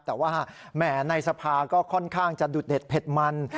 แต่ว่าแหมในสภาก็ค่อนข้างจะดุดเด็ดเผ็ดมัน